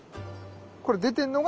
これ出てんのが？